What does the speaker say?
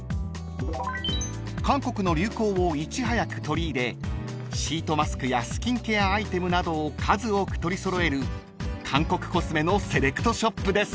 ［韓国の流行をいち早く取り入れシートマスクやスキンケアアイテムなどを数多く取り揃える韓国コスメのセレクトショップです］